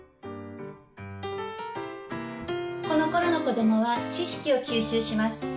このころの子どもは知識を吸収します。